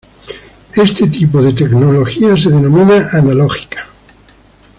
Este tipo de tecnología se denomina analógica.